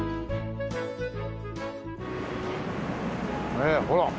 ねえほら。